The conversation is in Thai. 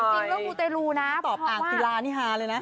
จริงเรื่องกูแต่รู้น่ะตอบอางตีฬานี้ฮะเลยนะ